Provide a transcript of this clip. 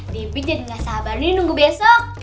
debi jadi gak sabar nih nunggu besok